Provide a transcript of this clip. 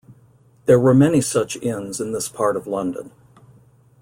There were many such inns in this part of London.